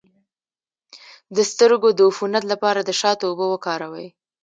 د سترګو د عفونت لپاره د شاتو اوبه وکاروئ